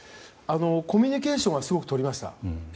コミュニケーションはすごく取りました。